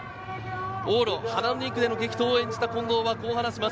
往路、花の２区での激闘を演じた近藤は、こう話します。